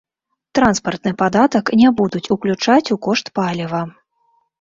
Транспартны падатак не будуць уключаць у кошт паліва.